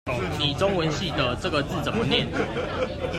你中文系的，這個字怎麼念？